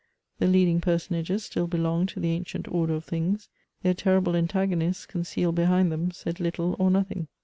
The leading personages stUl belonged to the ancient order of things ; their terrible antagonists, concealed behind them; said little or nothing.